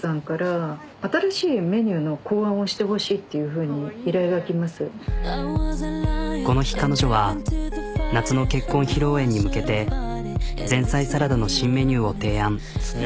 時にねこの日彼女は夏の結婚披露宴に向けて前菜サラダの新メニューを提案。